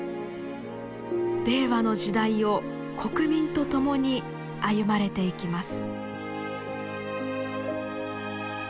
令和の時代を国民と共に歩まれていきます。